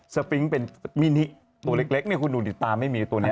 ปิ๊งเป็นมินิตัวเล็กเนี่ยคุณดูดิตาไม่มีตัวนี้